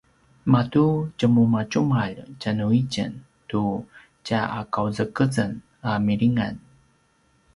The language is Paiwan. matu tjemumatjumalj tjanuitjen tu tja aqauzeqezen a milingan